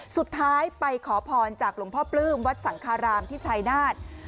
สุดท้ายไปขอพรจากหลวงพ่อปลื้มวัดสังคารามที่ชายนาฏ